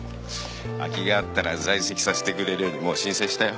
空きがあったら在籍させてくれるようにもう申請したよ。